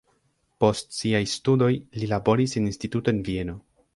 Post siaj studoj li laboris en instituto en Vieno.